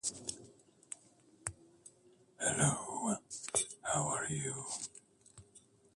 And used to be Tuburan's largest Barangay.